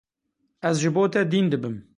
Ez ji bo te dîn dibim.